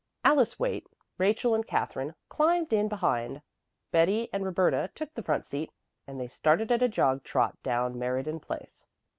Alice Waite, Rachel and Katherine climbed in behind, Betty and Roberta took the front seat, and they started at a jog trot down Meriden Place.